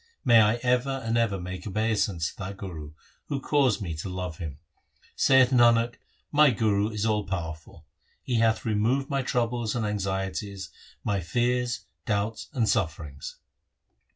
May I ever and ever make obeisance to that Guru Who caused me to love him ! Saith Nanak, my Guru is all powerful ; He hath removed my troubles and anxieties, my fears, doubts, and sufferings.